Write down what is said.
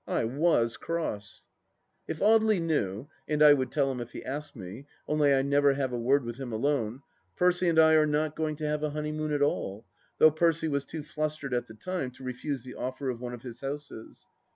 I was cross. If Audely knew — and I would tell him if he asked me, only I never have a word with him alone — ^Percy and I are not going to have a honeymoon at all, though Percy was too flustered at the time to refuse the offer of one of his houses.